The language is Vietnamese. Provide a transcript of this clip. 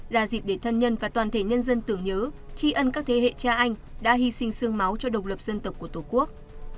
là dịp để thân nhân và toàn thể nhân dân tưởng nhớ tri ân các thế hệ cha anh đã hy sinh sương máu cho độc lập dân tộc của tổ quốc